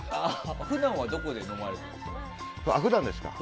普段はどこで飲まれてるんですか？